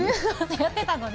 やってたのに。